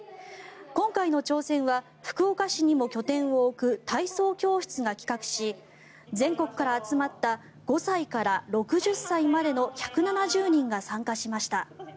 今回の挑戦は福岡市にも拠点を置く体操教室が企画し全国から集まった５歳から６０歳までの１７０人が参加しました。